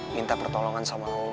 minta pertolongan sama allah